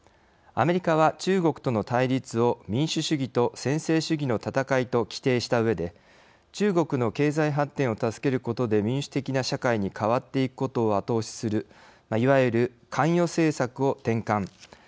アメリカは中国との対立を民主主義と専制主義の戦いと規定したうえで中国の経済発展を助けることで民主的な社会に変わっていくことを後押しするいわゆる関与政策を転換。